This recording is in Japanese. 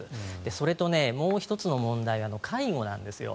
それと、もう１つの問題は介護なんです。